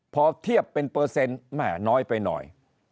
พอเทียบเป็นเปอร์เซ็นต์แม่น้อยไปหน่อย